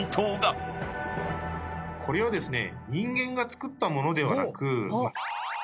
これはですね。